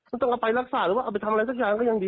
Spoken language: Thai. ต้องเอาไปรักษาหรือว่าเอาไปทำอะไรสักอย่างก็ยังดี